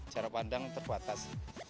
cara pandang terbatas